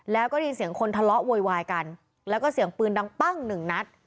แล้วก็ได้ยินเสียงคนทะเลาะโวยวายกันแล้วก็เสียงปืนดังปั้งหนึ่งนัด